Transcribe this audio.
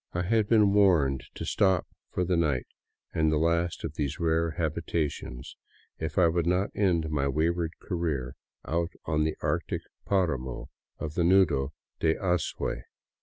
I had been warned to stop for the night in the last of these rare habitations, if I would not end my way ward career out on the arctic paramo of the Nudo de Azuay.